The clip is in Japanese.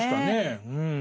うん。